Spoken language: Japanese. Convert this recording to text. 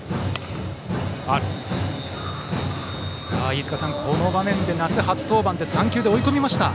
飯塚さん、この場面で夏初登板で３球で追い込みました。